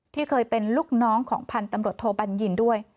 ที่เคยเป็นลูกน้องของพันธุ์ตำรวจโทบัญญินด้วย